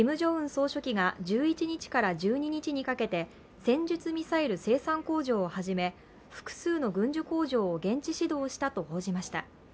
総書記が１１日から１２日にかけて、戦術ミサイル生産工場をはじめ複数の軍需工場を現地指導したと報じました。